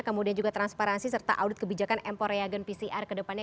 kemudian juga transparansi serta audit kebijakan mpo reagen pcr ke depannya